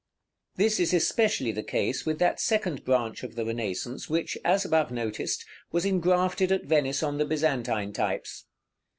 § XXIII. This is especially the case with that second branch of the Renaissance which, as above noticed, was engrafted at Venice on the Byzantine types.